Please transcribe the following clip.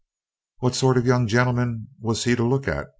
"What sort of a young gentleman was he to look at?"